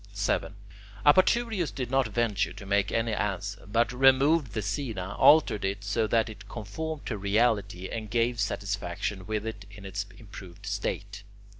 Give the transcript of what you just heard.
7. Apaturius did not venture to make any answer, but removed the scaena, altered it so that it conformed to reality, and gave satisfaction with it in its improved state.